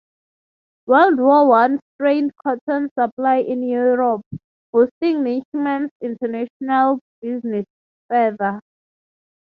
World War One strained cotton supply in Europe, boosting Nichimen's international business further.